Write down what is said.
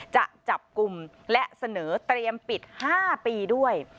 จะจับกลุ่มและเสนอเตรียมปิด๕ปีด้วย